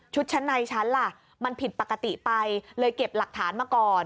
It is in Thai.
ชั้นในฉันล่ะมันผิดปกติไปเลยเก็บหลักฐานมาก่อน